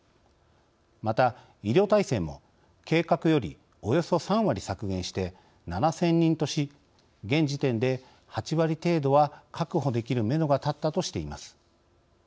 また医療体制も計画よりおよそ３割削減して７，０００人とし現時点で８割程度は確保できるめどがたったとしています。